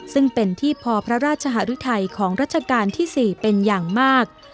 ซึ่งเป็นที่พอพระราชหารุทัยของรัชกาลที่๔เป็นอย่างมาก